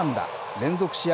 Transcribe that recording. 連続試合